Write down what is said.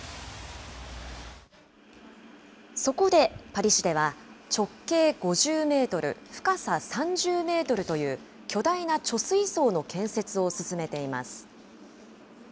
そこで、パリ市では、直径５０メートル、深さ３０メートルという巨大な貯水槽の建設を進めています。